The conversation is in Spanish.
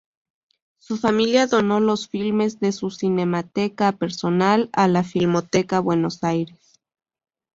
Su familia donó los filmes de su cinemateca personal a la Filmoteca Buenos Aires.